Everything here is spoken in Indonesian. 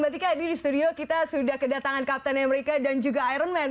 mba tika di studio kita sudah kedatangan captain america dan juga iron man